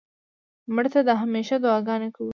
مړه ته د همېشه دعا ګانې کوو